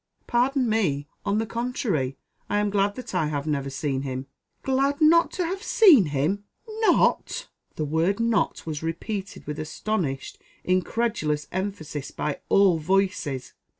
"Pardon me, on the contrary, I am glad that I have never seen him." "Glad not to have seen him! not?" The word not was repeated with astonished incredulous emphasis by all voices.